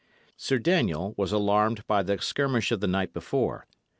Sir Daniel was alarmed by the skirmish of the night before.